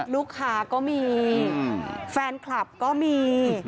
ลูกค้าก็มีแฟนคลับก็มี